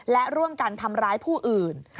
และร่วมกันทำร้ายผู้อื่น